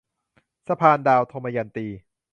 สะพานดาว - ทมยันตี